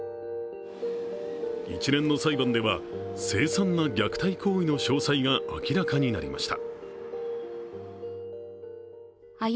一連の裁判では凄惨な虐待行為の詳細が明らかになりました。